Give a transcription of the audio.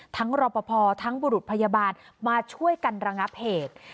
รอปภทั้งบุรุษพยาบาลมาช่วยกันระงับเหตุ